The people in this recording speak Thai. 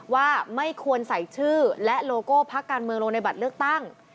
ว่าไม่ควรใส่ชื่อและโลโก้พักการเมืองลงในบัตรเลือกตั้ง